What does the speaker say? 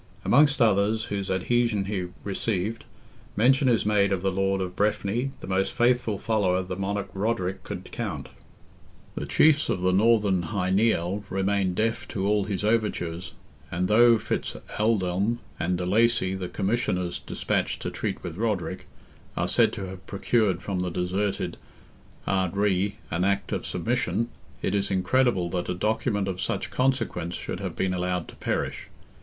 Amongst others whose adhesion he received, mention is made of the lord of Breffni, the most faithful follower the Monarch Roderick could count. The chiefs of the Northern Hy Nial remained deaf to all his overtures, and though Fitz Aldelm and de Lacy, the commissioners despatched to treat with Roderick, are said to have procured from the deserted Ard Righ an act of submission, it is incredible that a document of such consequence should have been allowed to perish.